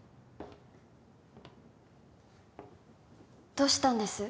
どうしたんです？